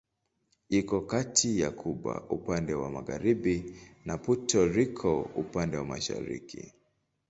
Iko kati ya Kuba upande wa magharibi na Puerto Rico upande wa mashariki.